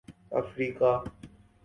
افریقہ